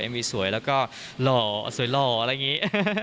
เอ็มวีสวยแล้วก็หล่อก็สวยหล่ออะไรยังงี้